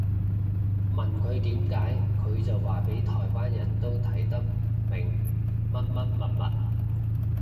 問佢點解佢就話畀台灣人都睇得明乜乜物物